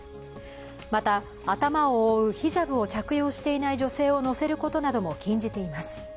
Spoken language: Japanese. また、頭を覆うヒジャブを着用していない女性を乗せることなども禁じています。